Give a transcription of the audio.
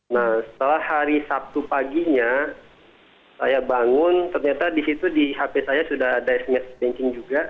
nah setelah hari sabtu paginya saya bangun ternyata di situ di hp saya sudah ada smes banking juga